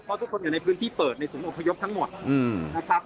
เพราะทุกคนอยู่ในพื้นที่เปิดในศูนย์อพยพทั้งหมดนะครับ